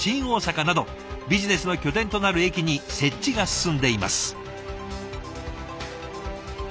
大阪などビジネスの拠点となる駅に設置が進んでいます。